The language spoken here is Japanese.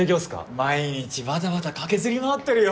毎日バタバタ駆けずり回ってるよ。